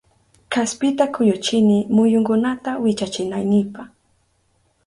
Kaspita kuyuchini muyunkunata wichachinaynipa